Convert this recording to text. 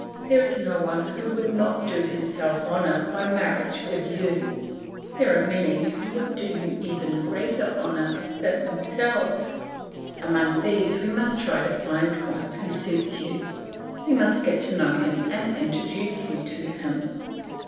There is no one who would not do himself honour by marriage with you; there are many who would do you even greater honour than themselves. Among these we must try to find one who suits you, we must get to know him and introduce you to him.